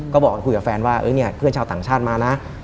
ก็บอกคุยกับแฟนว่าเนี่ยเพื่อนชาวต่างชาติมานะ